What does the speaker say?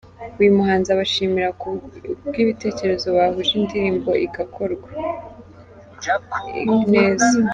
Uyu muhanzi abashimira ku bw’ibitekerezo bahuje indirimbo igakorwa neza.